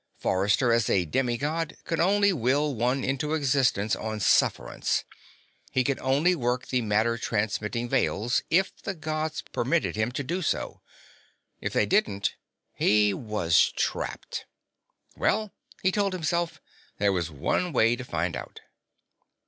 Forrester, as a demi God, could only will one into existence on sufferance; he could only work the matter transmitting Veils if the Gods permitted him to do so. If they didn't, he was trapped. Well, he told himself, there was one way to find out.